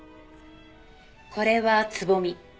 これはつぼみ。